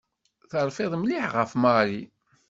Terfiḍ mliḥ ɣef Mary.